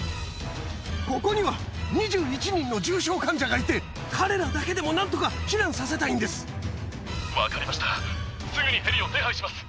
ここには２１人の重症患者がいて、彼らだけでもなんとか避難分かりました。